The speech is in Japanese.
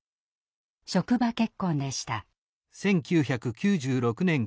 職場結婚でした。